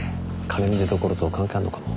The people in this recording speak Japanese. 金の出どころと関係あるのかも。